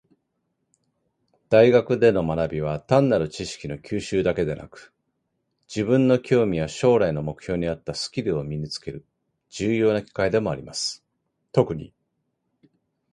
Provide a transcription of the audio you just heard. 大学での学びは、単なる知識の吸収だけでなく、自分の興味や将来の目標に合ったスキルを身につける重要な機会でもあります。特に専門分野においては、実践的な経験が将来のキャリアに直結することが多いため、授業や課題に真剣に取り組むことが求められます。また、自己成長を目指して新たなチャレンジに挑戦する姿勢も重要です。